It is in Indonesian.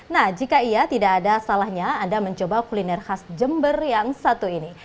nah jika iya tidak ada salahnya anda mencoba kuliner khas jember yang satu ini